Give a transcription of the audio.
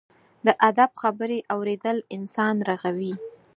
د ادب خبرې اورېدل انسان رغوي.